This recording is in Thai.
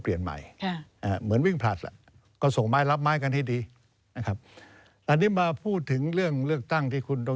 พบผมก็ไม่เถียวนะครับ